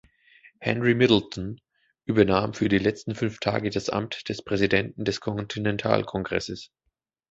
Henry Middleton übernahm für die letzten fünf Tage das Amt des Präsidenten des Kontinentalkongresses.